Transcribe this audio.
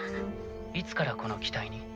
いつからこの機体に？